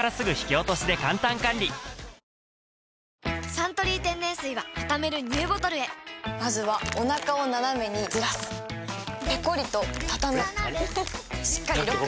「サントリー天然水」はたためるＮＥＷボトルへまずはおなかをナナメにずらすペコリ！とたたむしっかりロック！